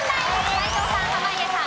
斎藤さん濱家さん